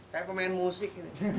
kayak pemain musik